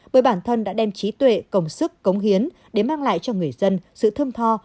bởi bản thân đã đem trí tuệ công sức cống hiến để mang lại cho người dân sự thơm tho